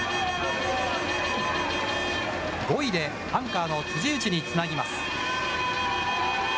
５位でアンカーの辻内につなぎます。